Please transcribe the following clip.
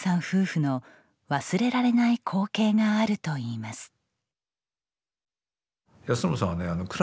夫婦の忘れられない光景があるといいます。